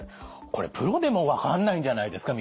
これプロでも分かんないんじゃないですか？